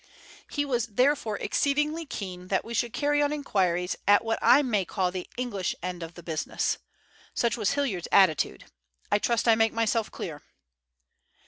He was therefore exceedingly keen that we should carry on inquiries at what I may call the English end of the business. Such was Hilliard's attitude. I trust I make myself clear."